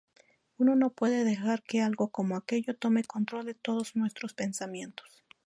Uno no puede dejar que algo como aquello tome control de todos nuestros pensamientos".